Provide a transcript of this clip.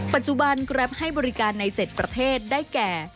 ปัจจุบันแกรปให้บริการใน๗ประเทศได้แก่